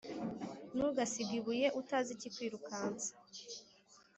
ntugasige ibuye utazi ikikwirukansa